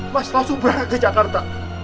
mas langsung berangkat ke jakarta